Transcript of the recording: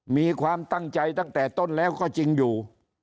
มีความตั้งใจตั้งแต่ต้นแล้วก็จริงอยู่